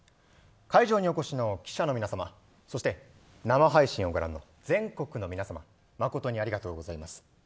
会場にお越しの記者の皆さまそして生配信をご覧の全国の皆さま誠にありがとうございます。